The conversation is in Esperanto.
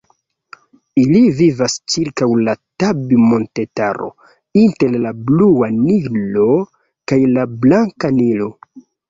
Ili vivas ĉirkaŭ la Tabi-montetaro, inter la Blua Nilo kaj la Blanka Nilo.